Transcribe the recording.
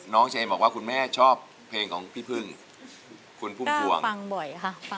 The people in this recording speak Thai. น้องเชนบอกว่าคุณแม่ชอบเพลงของพี่พึ่งคุณพุ่มพวงฟังบ่อยค่ะ